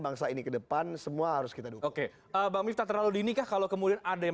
bangsa ini ke depan semua harus kita dukung oke bang miftah terlalu dinikah kalau kemudian ada yang